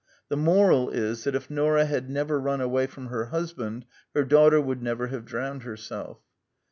The moral is that if Nora had never run away from her husband her daughter would never have drowned herself.